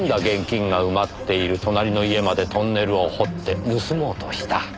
現金が埋まっている隣の家までトンネルを掘って盗もうとした。